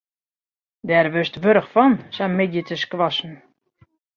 Dêr wurdst warch fan, sa'n middei te squashen.